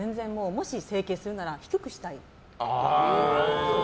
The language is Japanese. もし整形するなら低くしたい。